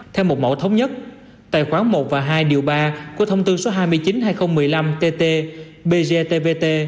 theo một mẫu thống nhất tài khoản một và hai điều ba của thông tư số hai mươi chín hai nghìn một mươi năm tt bgtvt